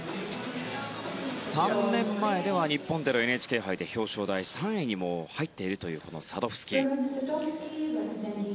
３年前では日本でのＮＨＫ杯で表彰台、３位に入っているというサドフスキー。